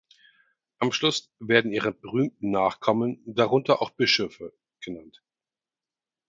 Am Schluss werden ihre berühmten Nachkommen, darunter auch Bischöfe, genannt.